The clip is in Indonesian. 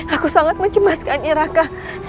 aku sangat mencemaskan raka